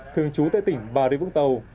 thường trú tại tỉnh bà rê vũng tàu